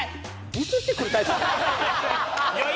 ディスってくるタイプ？